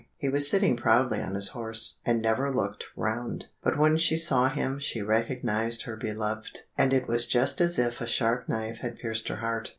He was sitting proudly on his horse, and never looked round, but when she saw him she recognized her beloved, and it was just as if a sharp knife had pierced her heart.